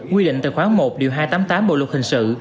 quy định tài khoản một điều hai trăm tám mươi tám bộ luật hình sự